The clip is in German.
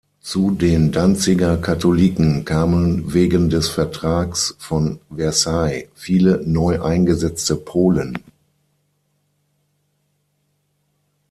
Zu den Danziger Katholiken kamen wegen des Vertrags von Versailles viele neu eingesetzte Polen.